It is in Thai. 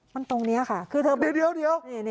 มันตรงนี้ค่ะคือเธอเดี๋ยว